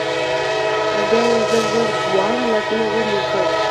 او بيا يې زر زر دواړه لاسونه ومږل